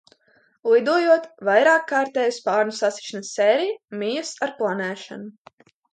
Lidojot vairākkārtēja spārnu sasišanas sērija mijas ar planēšanu.